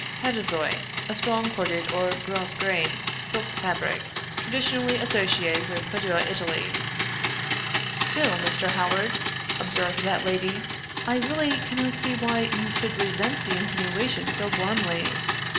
{Paduasoy = a strong corded or gros grain silk fabric, traditionally associated with Padua, Italy} "Still, Mr. Howard," observed that lady; "I really cannot see why you should resent the insinuation so warmly.